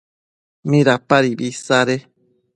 ¿midapadibi isade?